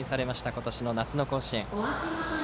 今年の夏の甲子園。